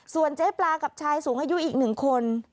ส่วนเจ๊ปลากับชายสูงอายุอีก๑คน